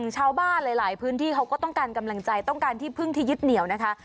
ชาวบ้านหลายพื้นที่เขาก็ต้องการกำลังใจต้องการที่พึ่งที่ยึดเหนียวนะคะ